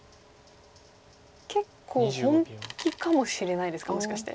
結構本気かもしれないですかもしかして。